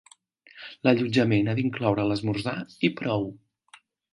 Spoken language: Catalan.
L'allotjament ha d'incloure l'esmorzar i prou.